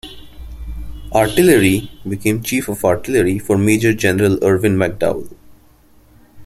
Artillery, became chief of artillery for Major General Irvin McDowell.